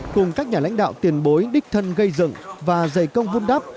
cùng các nhà lãnh đạo tiền bối đích thân gây dựng và giày công vút đắp